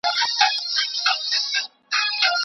زما په زړه یې جادو کړی زما په شعر یې کوډي کړي